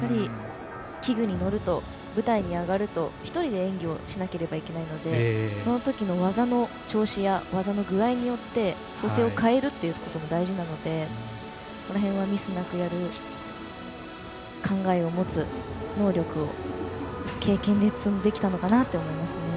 器具に乗ると舞台に上がると、１人で演技をしなければならないのでそのときの技の調子や技の具合によって構成を変えるということも大事なので、この辺はミスなくやる考えを持つ能力を経験で積んできたのかなと思います。